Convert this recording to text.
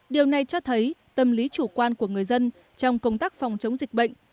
điều này cho thấy tâm lý chủ quan của người dân trong công tác phòng chống dịch bệnh